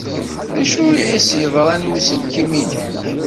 D acu ay as-yeḍran i uselkim-nnek?